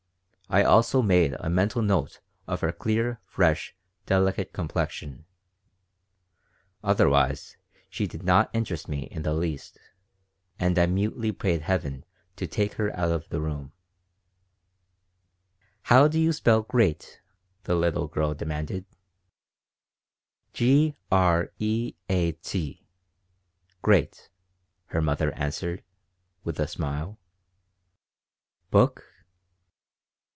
I also made a mental note of her clear, fresh, delicate complexion. Otherwise she did not interest me in the least, and I mutely prayed Heaven to take her out of the room "How do you spell 'great'?" the little girl demanded "G r e a t great," her mother answered, with a smile "Book?"